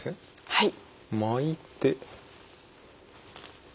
はい。